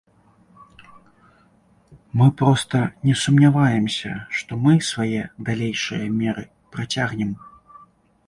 Мы проста не сумняваемся, што мы свае далейшыя меры працягнем.